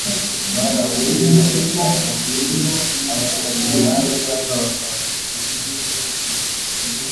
bari abanyamadini abakaridinari cyangwa abapapa